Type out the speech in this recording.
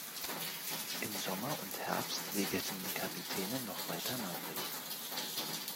Im Sommer und Herbst segelten die Kapitäne noch weiter nördlich.